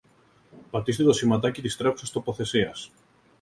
Πάτησε το σηματάκι της τρέχουσας τοποθεσίας